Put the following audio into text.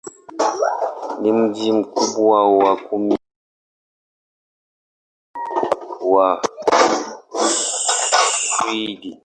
Ni mji mkubwa wa kumi na mbili katika nchi wa Uswidi.